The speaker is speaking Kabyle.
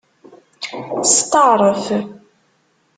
Steɛṛef.